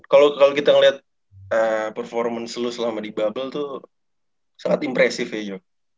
kalau kita melihat performance lo selama di bubble tuh sangat impresif ya